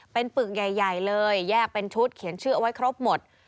เป็นปึกใหญ่เลยแยกเป็นชุดเขียนชื่อเอาไว้ครบหมด